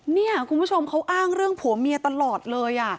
เนี่ยคุณผู้ชมเขาอ้างเรื่องผัวเมียตลอดเลย